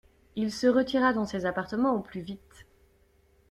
Il se retira dans ses appartements au plus vite.